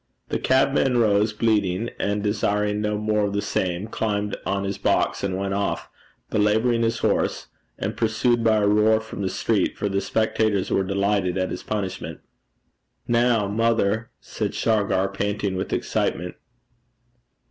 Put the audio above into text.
The cabman rose bleeding, and, desiring no more of the same, climbed on his box, and went off, belabouring his horse, and pursued by a roar from the street, for the spectators were delighted at his punishment. 'Now, mother,' said Shargar, panting with excitement.